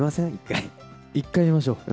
１回寝ましょう。